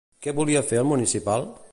Què volia fer el municipal?